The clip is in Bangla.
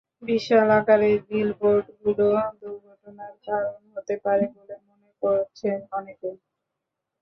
বিশাল আকারের বিলবোর্ডগুলো দুর্ঘটনার কারণ হতে পারে বলে মনে করছেন অনেকে।